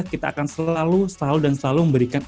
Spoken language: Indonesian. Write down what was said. kita akan selalu dan selalu memberikan